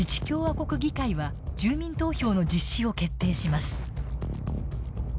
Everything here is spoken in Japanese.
共和国議会は住民投票の実施を決定します。